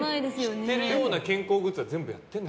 知ってるような健康グッズは全部やってるんだ。